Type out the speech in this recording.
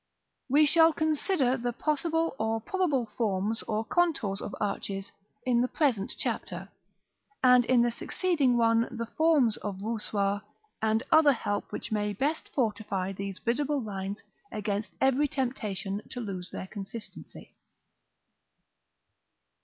We shall consider the possible or probable forms or contours of arches in the present Chapter, and in the succeeding one the forms of voussoir and other help which may best fortify these visible lines against every temptation to lose their consistency.